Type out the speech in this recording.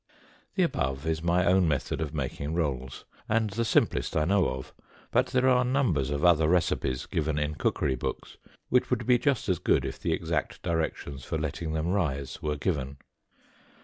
The above is my own method of making rolls, and the simplest I know of; but there are numbers of other recipes given in cookery books which would be just as good if the exact directions for letting them rise were given.